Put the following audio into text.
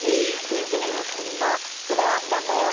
ピンクのようふくにもこだわったんだよ。